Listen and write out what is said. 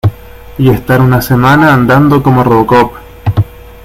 y estar una semana andando como Robocop.